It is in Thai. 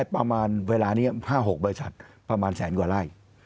ประมาณเวลานี้๕๖บริษัทประมาณแสนกว่าไร่